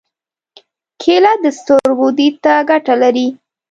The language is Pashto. کېله د سترګو دید ته ګټه لري.